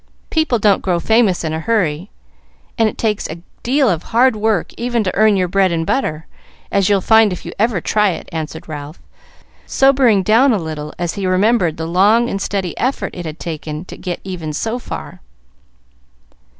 People don't grow famous in a hurry, and it takes a deal of hard work even to earn your bread and butter, as you'll find if you ever try it," answered Ralph, sobering down a little as he remembered the long and steady effort it had taken to get even so far.